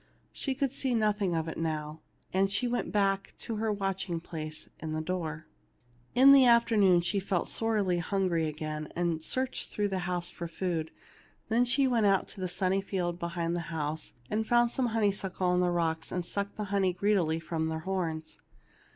She could see nothing of it now, and she went back to her watching place in the door. In the afternoon she felt sorely hungry again, and searched through the house for food; then she went out in the sunny fields behind the house, and found some honeysuckles on the rocks, and sucked the honey greedily from their horns.